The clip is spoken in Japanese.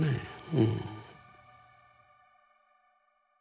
うん。